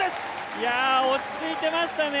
いや、落ち着いてましたね